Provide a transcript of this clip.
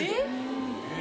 えっ！